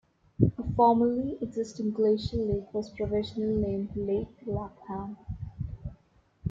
A formerly existing glacial lake was provisionally named "Lake Lapham".